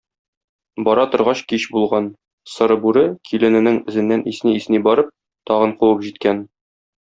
Бара торгач кич булган, Соры бүре, килененең эзеннән исни-исни барып, тагын куып җиткән.